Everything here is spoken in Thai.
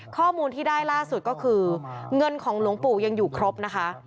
ข้อมูลที่ได้ล่าสุดก็คือเงินของหลวงปู่ยังอยู่ครบนะคะ